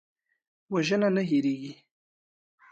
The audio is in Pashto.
وژنه نه هېریږي